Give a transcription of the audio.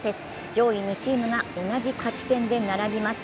上位２チームが同じ勝ち点で並びます。